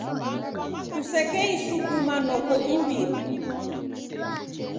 Kusekeisukuma noko imbiri.